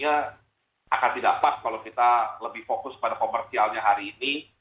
yang pentingnya akan didapat kalau kita lebih fokus pada komersialnya hari ini